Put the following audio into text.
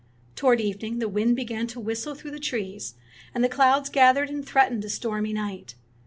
Toward evening the wind began to whistle through the trees, and the clouds gathered and threatened a stormy night.